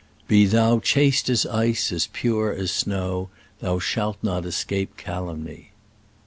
Be thou chaste as ice, as pure as snow, thou shalt not escape calumny.